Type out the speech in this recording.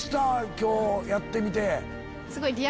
今日やってみて。